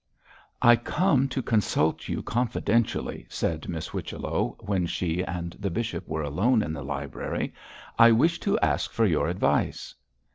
'I come to consult you confidentially,' said Miss Whichello, when she and the bishop were alone in the library. 'I wish to ask for your advice.'